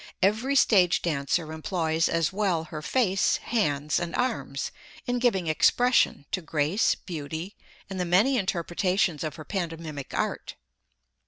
Every stage dancer employs as well her face, hands and arms in giving expression to grace, beauty, and the many interpretations of her pantomimic art.